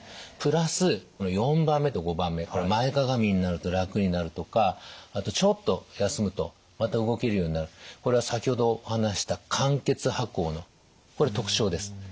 プラスこの④番目と⑤番目前かがみになると楽になるとかあとちょっと休むとまた動けるようになるこれは先ほどお話しした間欠跛行の特徴です。